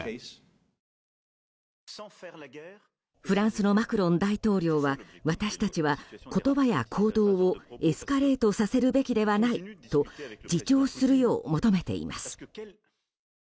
フランスのマクロン大統領は私たちは、言葉や行動をエスカレートさせるべきではないと自重するよう求めています。